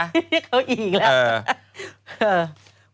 นี่เขาอีกแล้ว